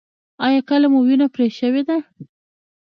ایا کله مو وینه پرې شوې ده؟